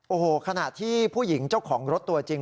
โอ้โหขณะที่ผู้หญิงเจ้าของรถตัวจริง